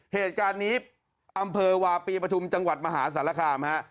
เหตุการณ์นี้อำเภอวาปีปฐุมจังหวัดมหาสารคามฮะ